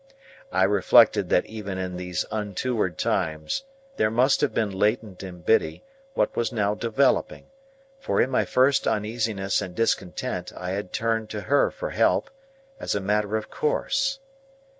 I reflected that even in those untoward times there must have been latent in Biddy what was now developing, for, in my first uneasiness and discontent I had turned to her for help, as a matter of course.